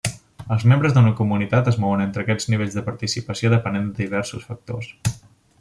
Els membres d'una comunitat es mouen entre aquests nivells de participació depenent de diversos factors.